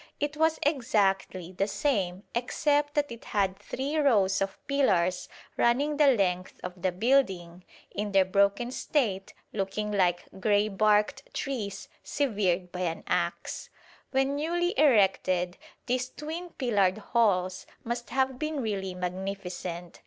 It was exactly the same except that it had three rows of pillars running the length of the building, in their broken state looking like grey barked trees severed by an axe. When newly erected these twin pillared halls must have been really magnificent.